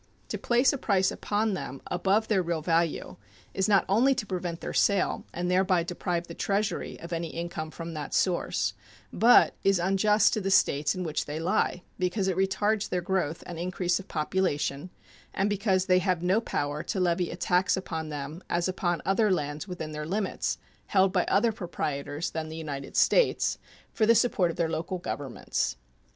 To place a price upon them above their real value is not only to prevent their sale, and thereby deprive the Treasury of any income from that source, but is unjust to the States in which they lie, because it retards their growth and increase of population, and because they have no power to levy a tax upon them as upon other lands within their limits, held by other proprietors than the United States, for the support of their local governments.